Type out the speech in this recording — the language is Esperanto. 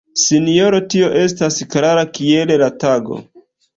Sinjoro, tio estas klara kiel la tago!